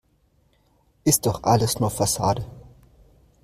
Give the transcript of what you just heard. Ist doch alles nur Fassade.